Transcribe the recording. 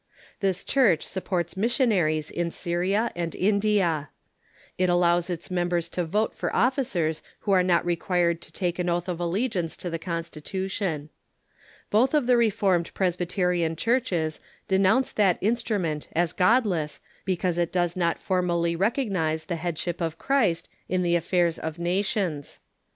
This Church supports missionaries in Syria and India. It allows its members to vote for officers who are not required to take an oath of allegiance to the Constitution. Both of the Reformed Presbyterian churches denounce that instrument as godless because it does not formally recognize the Headship of Christ in the affairs of nations.